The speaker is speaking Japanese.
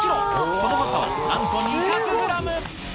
その誤差なんと２００グラム。